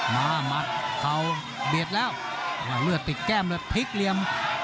มัดเข่าเบียดแล้วเลือดติดแก้มเลยพลิกเหลี่ยม